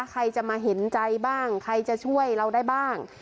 ใครจะมาเห็นใจบ้างใครจะช่วยเราได้บ้าง